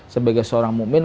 sebagai seorang mumin